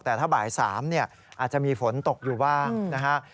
แต่ถ้าบ่าย๓อาจจะมีฝนตกอยู่บ้างนะฮะ